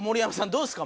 どうですか？